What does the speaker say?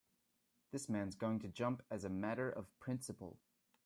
This man's going to jump as a matter of principle.